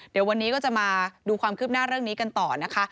เดี๋ยววันนี้ก็จะมาดูความคืบหน้าเรื่องนี้กันต่อนะคะ